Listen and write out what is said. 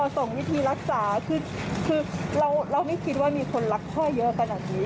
ส่งวิธีรักษาคือเราไม่คิดว่ามีคนรักพ่อเยอะขนาดนี้